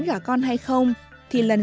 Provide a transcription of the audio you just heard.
gả con hay không thì lần